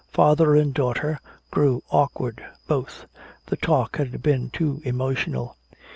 Father and daughter grew awkward, both. The talk had been too emotional.